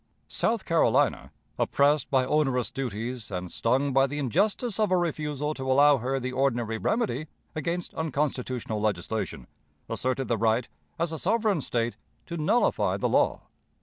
South Carolina, oppressed by onerous duties and stung by the injustice of a refusal to allow her the ordinary remedy against unconstitutional legislation, asserted the right, as a sovereign State, to nullify the law.